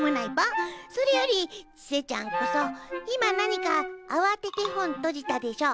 それよりちせちゃんこそ今何かあわてて本とじたでしょ？